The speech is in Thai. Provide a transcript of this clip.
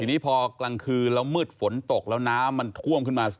ทีนี้พอกลางคืนแล้วมืดฝนตกแล้วน้ำมันท่วมขึ้นมา